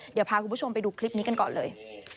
เดี๋ยวพาคุณผู้ชมไปดูคลิปนี้กันก่อนเลย